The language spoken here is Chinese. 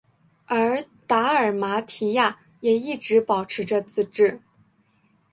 而达尔马提亚也一直保持着自治。